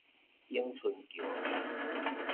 永春橋